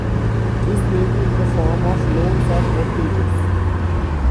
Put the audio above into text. This may be in the form of loans or mortgages.